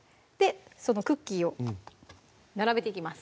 そのクッキーを並べていきます